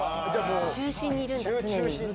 中心にいるんだ常に。